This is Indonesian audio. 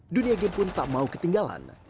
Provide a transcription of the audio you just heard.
dunia game pun tak mau ketinggalan